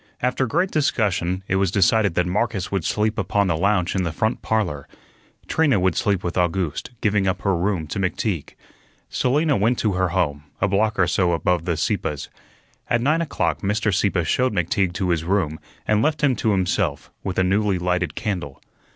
After great discussion it was decided that Marcus would sleep upon the lounge in the front parlor. Trina would sleep with August, giving up her room to McTeague. Selina went to her home, a block or so above the Sieppes's. At nine o'clock Mr. Sieppe showed McTeague to his room and left him to himself with a newly lighted candle.